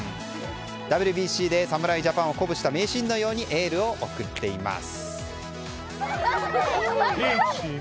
ＷＢＣで侍ジャパンを鼓舞した名シーンのようにエールを送っています。